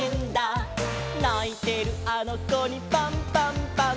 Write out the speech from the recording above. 「ないてるあのこにパンパンパン！！」